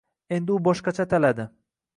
Endi u boshqacha ataladi